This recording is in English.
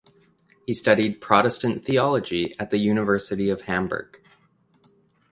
He studied Protestant theology at the University of Hamburg.